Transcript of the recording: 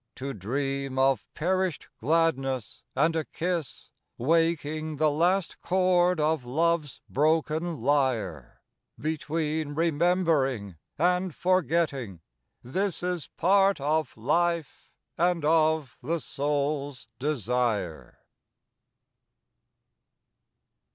To dream of perished gladness and a kiss, Waking the last chord of Love's broken lyre, Between remembering and forgetting, this Is part of life and of the soul's desire.